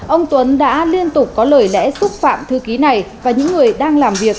ông tuấn đã liên tục có lời lẽ xúc phạm thư ký này và những người đang làm việc